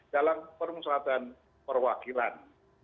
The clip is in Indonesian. dalam perusahaan perwakilan